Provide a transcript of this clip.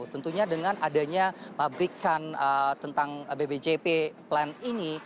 tentunya dengan adanya pabrikan tentang bbjp plan ini